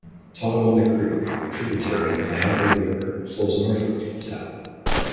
Tonawanda Creek, a tributary of the Niagara River, flows northward through the town.